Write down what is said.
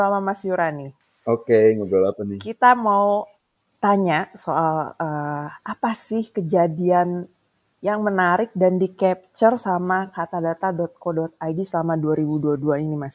apa sih kejadian yang menarik dan di capture sama katadata co id selama dua ribu dua puluh dua ini mas